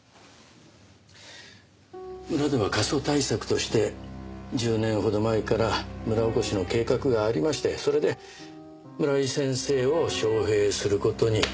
村では過疎対策として１０年ほど前から村おこしの計画がありましてそれで村井先生を招聘する事にしたんです。